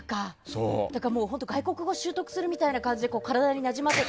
だから外国語習得するみたいな感じでなじませて。